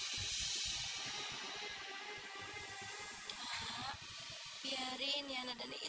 kak biarin yana dan is